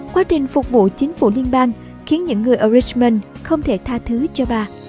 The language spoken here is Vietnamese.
quá trình phục vụ chính phủ liên bang khiến những người ở richmond không thể tha thứ cho bà